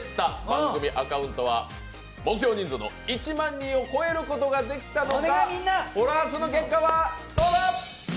番組アカウントは、目標人数の１万人を超えることができたのか、フォロワー数の結果はどうだ？